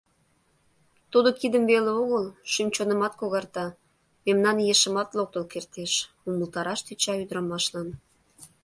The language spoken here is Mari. Тудо кидым веле огыл, шӱм-чонымат когарта, мемнан ешымат локтыл кертеш, — умылтараш тӧча ӱдырамашлан.